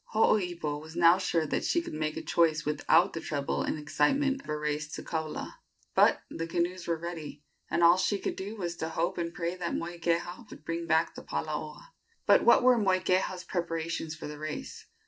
Hooipo was now sure that she could make a choice without the trouble and excitement of a race to Kaula; but the canoes were ready, and all she could do was to hope and pray that Moikeha would bring back the palaoa. But what were Moikeha's preparations for the race?